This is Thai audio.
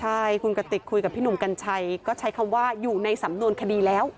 ใช่คุณกติกคุยกับพี่หนุ่มกัญชัยก็ใช้คำว่าอยู่ในสำนวนคดีแล้ว